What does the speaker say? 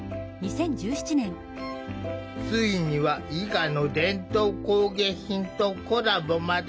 ついには伊賀の伝統工芸品とコラボまで。